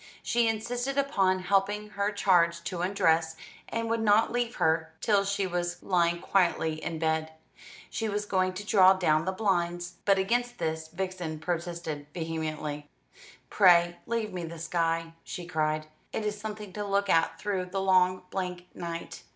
She insisted upon helping her charge to undress, and would not leave her till she was lying quietly in bed. She was going to draw down the blinds, but against this Vixen protested vehemently. "Pray leave me the sky," she cried; "it is something to look at through the long blank night.